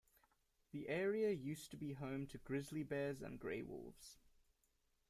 The area used to be home to grizzly bears and gray wolves.